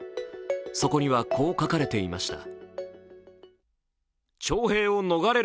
そこには、こう書かれていました。